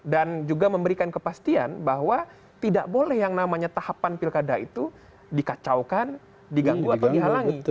dan juga memberikan kepastian bahwa tidak boleh yang namanya tahapan pilkada itu dikacaukan diganggu atau dihalangi